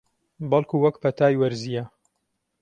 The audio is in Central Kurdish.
بەڵکوو وەک پەتای وەرزییە